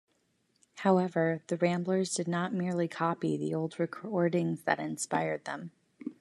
However, the Ramblers did not merely copy the old recordings that inspired them.